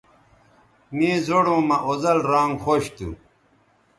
مے زوڑوں مہ اوزل رانگ خوش تھو